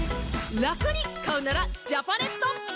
ラクに買うならジャパネット。